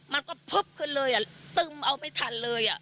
มันก็พึบขึ้นเลยตึมเอาไม่ทันเลย